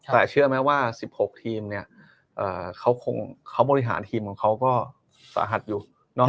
แต่เชื่อไหมว่า๑๖ทีมเนี่ยเขาบริหารทีมของเขาก็สาหัสอยู่